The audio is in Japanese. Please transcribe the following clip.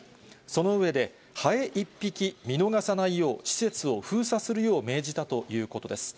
その上で、ハエ１匹見逃さないよう、施設を封鎖するよう命じたということです。